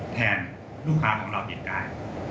แทนลูกค้าของเราผิดได้